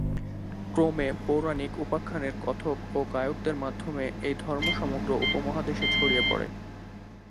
ক্রমে পৌরাণিক উপাখ্যানের কথক ও গায়কদের মাধ্যমে এই ধর্ম সমগ্র উপমহাদেশে ছড়িয়ে পড়ে।